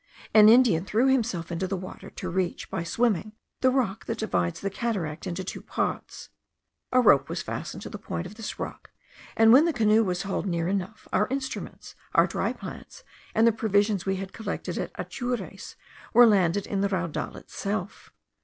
An Indian threw himself into the water, to reach, by swimming, the rock that divides the cataract into two parts. A rope was fastened to the point of this rock, and when the canoe was hauled near enough, our instruments, our dry plants, and the provision we had collected at Atures, were landed in the raudal itself.